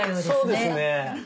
そうですね。